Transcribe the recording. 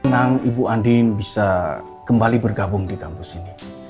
senang ibu andin bisa kembali bergabung di kampus ini